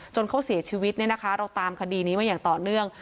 เขาเสียชีวิตเนี่ยนะคะเราตามคดีนี้มาอย่างต่อเนื่อง